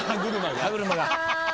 歯車が。